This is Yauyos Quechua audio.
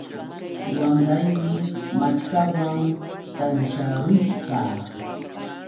Wamraymi maćhkawan tansharusqa